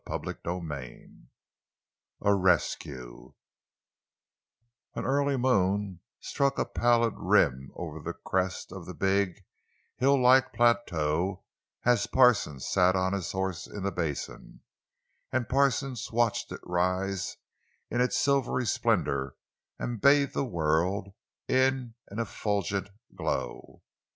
CHAPTER XXXI—A RESCUE An early moon stuck a pallid rim over the crest of the big, hill like plateau as Parsons sat on his horse in the basin, and Parsons watched it rise in its silvery splendor and bathe the world with an effulgent glow.